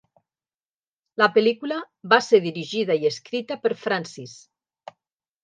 La pel·lícula va ser dirigida i escrita per Francis.